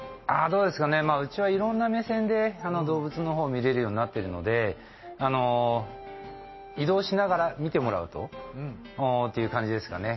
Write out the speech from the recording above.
うちはいろんな目線で動物を見れるようになってるので移動しながら見てもらうとという感じですかね。